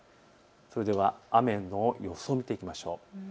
それでは雨の予想を見ていきましょう。